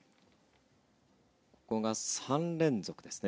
ここが３連続ですね。